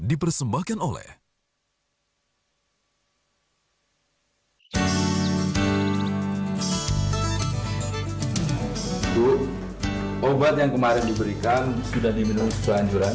ibu obat yang kemarin diberikan sudah diminum sepanjuran